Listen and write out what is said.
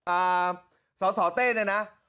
อ่าสสเต้เนี่ยนะ